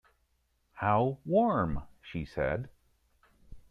“How warm!” she said.